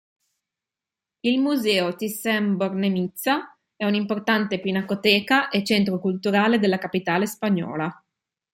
Il Museo Thyssen-Bornemisza è un'importante pinacoteca e centro culturale della capitale spagnola.